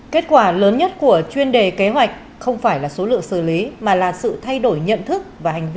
kết quả lớn nhất của chuyên đề kế hoạch không phải số lượng xử lý mà là sự thay đổi nhận thức và